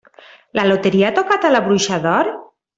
La loteria ha tocat a La bruixa d'or?